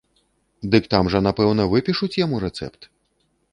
Дык там жа напэўна выпішуць яму рэцэпт!